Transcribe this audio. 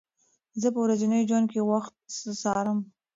زه په ورځني ژوند کې وخت څارم.